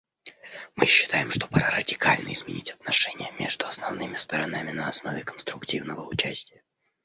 Мы считаем, что пора радикально изменить отношения между основными сторонами на основе конструктивного участия.